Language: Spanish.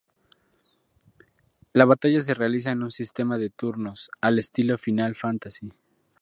La batalla se realiza en un sistema de turnos, al estilo Final Fantasy.